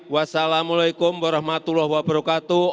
wassalamu'alaikum warahmatullahi wabarakatuh